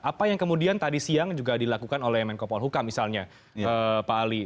apa yang kemudian tadi siang juga dilakukan oleh menko polhuka misalnya pak ali